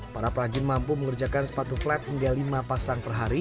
para perajin mampu mengerjakan sepatu flat hingga lima pasang